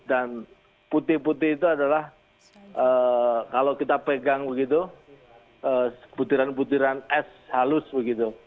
dan putih putih itu adalah kalau kita pegang begitu putiran putiran es halus begitu